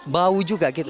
bau juga gitu